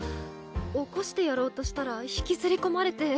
起こしてやろうとしたら引きずり込まれて。